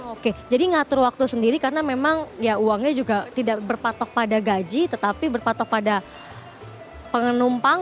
oke jadi ngatur waktu sendiri karena memang ya uangnya juga tidak berpatok pada gaji tetapi berpatok pada penumpang